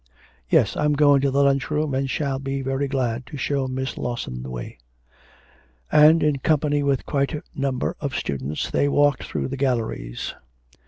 'Yes, I'm going to the lunch room, and shall be very glad to show Miss Lawson the way.' And, in company with quite a number of students, they walked through the galleries.